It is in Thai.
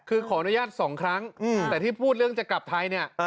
คือขออนุญาตสองครั้งแต่ที่พูดเรื่องจะกลับไทยเนี่ย